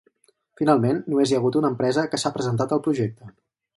Finalment només hi ha hagut una empresa que s’ha presentat al projecte.